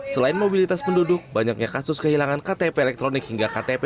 selain mobilitas penduduk banyaknya kasus kehilangan ktp elektronik hingga ktp